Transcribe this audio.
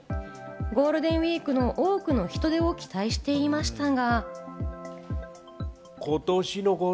ゴールデンウイークの多くの人出を期待していましたが。